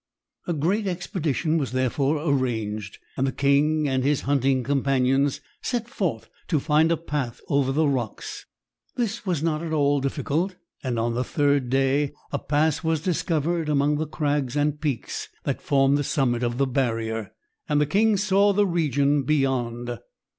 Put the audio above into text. A great expedition was therefore arranged, and the king and his hunting companions set forth to find a path over the rocks. This was not at all difficult, and on the third day, a pass was discovered among the crags and peaks that formed the summit of the barrier, and the king saw the region beyond.